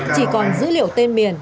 chỉ còn dữ liệu tên miền